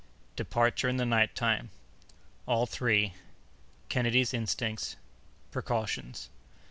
Departure in the Night time.—All Three.—Kennedy's Instincts.—Precautions.